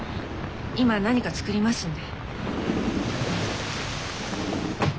今何か作りますんで。